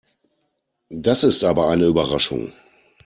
Das ist aber eine Überraschung.